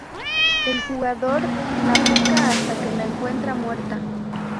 El jugador la busca hasta que la encuentra muerta.